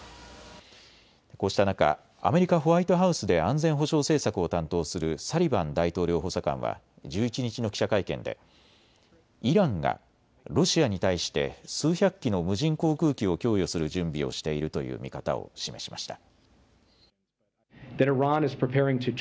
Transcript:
こうした中、アメリカ・ホワイトハウスで安全保障政策を担当するサリバン大統領補佐官は１１日の記者会見でイランがロシアに対して数百機の無人航空機を供与する準備をしているという見方を示しました。